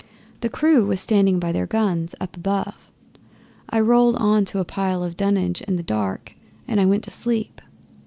The crew was standing by their guns up above. I rolled on to a pile of dunnage in the dark and I went to sleep.